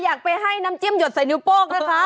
อยากไปให้น้ำจิ้มหยดใส่นิ้วโป้งนะคะ